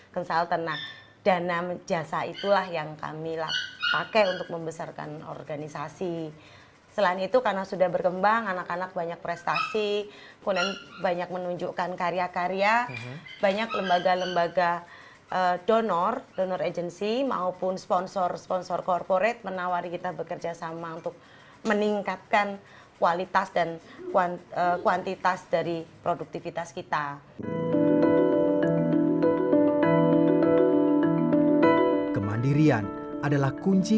pertanyaan terakhir bagaimana penyelesaian yayasan ini